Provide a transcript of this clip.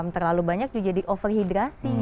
terlalu banyak jadi overhidrasi